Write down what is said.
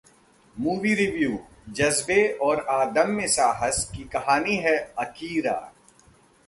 Movie Review: जज्बे और अदम्य साहस की कहानी है 'अकीरा'